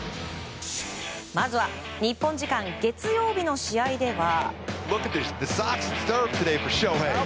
まずは日本時間月曜日の試合では。